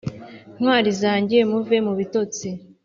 Ntwari zange muve mubitotsi.